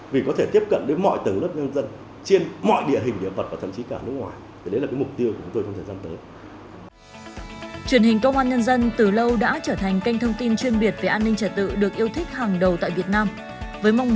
vì có thể tiếp cận đến mọi tầng lớp nhân dân trên mọi địa hình địa vật và thậm chí cả nước ngoài